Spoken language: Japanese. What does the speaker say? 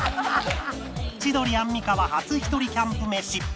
千鳥アンミカは初ひとりキャンプメシ